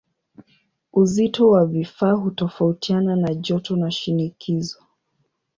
Uzito wa vifaa hutofautiana na joto na shinikizo.